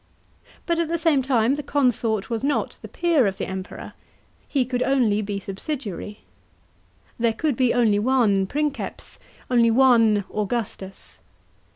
But, at the same time, the consort was not the peer of the Emperor ; he could only be subsidiary. There could be only one Princeps, only one Augustus.